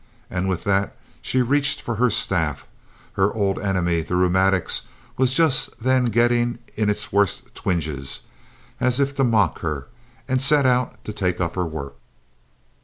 And with that she reached for her staff her old enemy, the rheumatics, was just then getting in its worst twinges, as if to mock her and set out to take up her work.